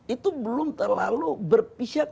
itu belum terlalu berpijak